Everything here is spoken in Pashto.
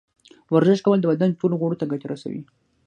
ورزش کول د بدن ټولو غړو ته ګټه رسوي.